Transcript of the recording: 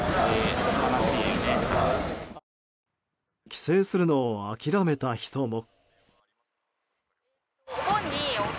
帰省するのを諦めた人も。